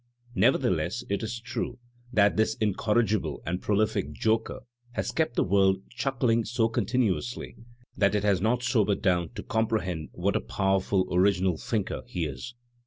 Nevertheless it is true that this incorrigible and prolific joker has kept the world chuckHng so continuously that it has not sobered down to comprehend what a powerful, original thinker he is.